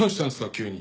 急に。